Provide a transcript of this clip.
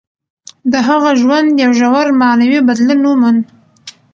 د هغه ژوند یو ژور معنوي بدلون وموند.